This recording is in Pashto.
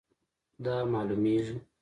دا معلومیږي